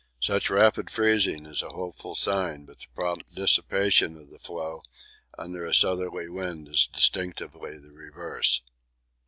Such rapid freezing is a hopeful sign, but the prompt dissipation of the floe under a southerly wind is distinctly the reverse.